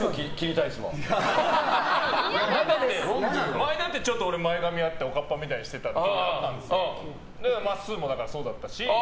前だってちょっと前髪あっておかっぱみたいにしてた時あったんですけどまっすーもそうだったし。